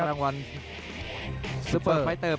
จังหวะซอกขวาของเพชรอันตรายครับ